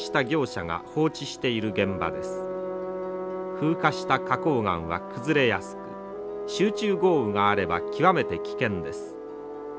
風化した花こう岩は崩れやすく集中豪雨があれば極めて危険です。